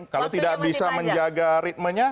kalau tidak bisa menjaga ritmenya